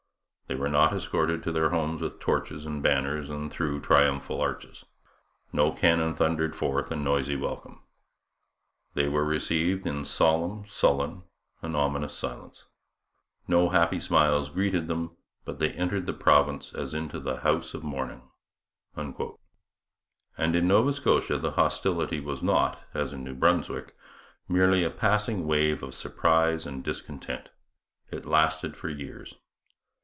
They were not escorted to their homes with torches and banners, and through triumphal arches; no cannon thundered forth a noisy welcome. They were received in solemn, sullen and ominous silence. No happy smiles greeted them; but they entered the Province as into the house of mourning.' And in Nova Scotia the hostility was not, as in New Brunswick, merely a passing wave of surprise and discontent. It lasted for years.